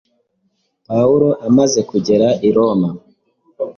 Pawulo amaze kugera i Roma,